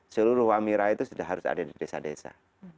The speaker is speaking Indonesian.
seluruh wamira itu sudah harus ada di desa desa